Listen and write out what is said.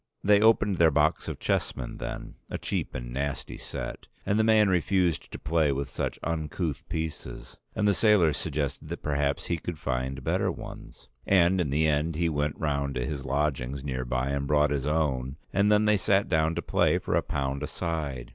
They opened their box of chessmen then, a cheap and nasty set, and the man refused to play with such uncouth pieces, and the sailors suggested that perhaps he could find better ones; and in the end he went round to his lodgings near by and brought his own, and then they sat down to play for a pound a side.